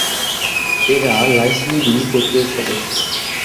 এরা ‘লাইসিনিডি’ গোত্রের সদস্য।